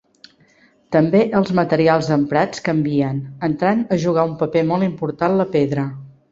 També els materials emprats canvien, entrant a jugar un paper molt important la pedra.